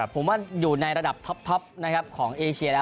ผมว่าอยู่ในระดับท็อปนะครับของเอเชียแล้ว